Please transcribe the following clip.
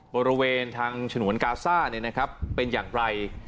บริเวณทางฉนวนกาซ่าเนี่ยนะครับเป็นอย่างไร